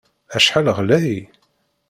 Acḥal ɣlay!